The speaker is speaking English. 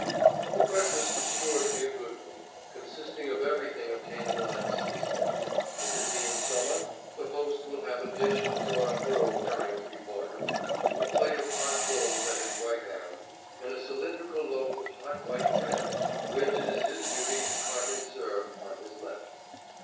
The breakfast is sure to be a good one, consisting of everything obtainable at the season. If it be in summer, the host will have a dish of broiled roe herrings before him, a plate of hot rolls at his right hand, and a cylindrical loaf of hot white bread which it is his duty to cut and serve on his left.